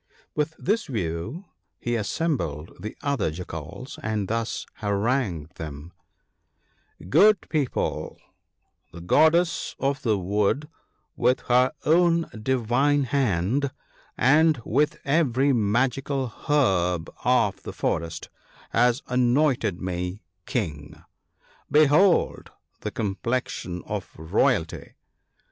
' With this view, he assembled the other Jackals, and thus harangued them :—' Good people, the Goddess of the Wood, with her own divine hand, and with every magical herb of the forest, has anointed me King. Behold the complexion of royalty